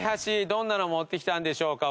どんなのを持ってきたんでしょうか？